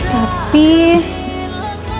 makin takut banget kira kira kamu